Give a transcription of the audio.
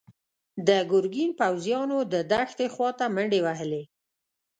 د ګرګين پوځيانو د دښتې خواته منډې وهلي.